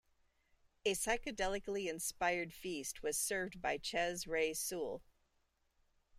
A psychedelically inspired feast was served by Chez Ray Sewal.